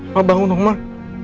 mak bangun dong mak